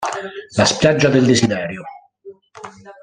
La spiaggia del desiderio